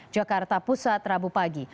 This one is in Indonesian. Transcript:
jakarta pusat rabu pagi